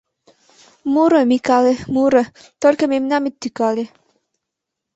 — Муро, Микале, муро, только мемнам ит тӱкале...